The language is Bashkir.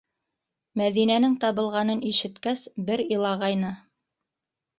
Мәҙинәнең табылғанын ишеткәс бер илағайны.